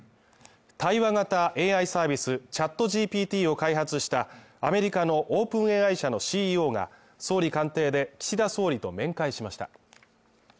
対話型ＡＩサービスＣｈａｔＧＰＴを開発したアメリカのオープン会社のＣＥＯが、総理官邸で岸田総理と面会しました。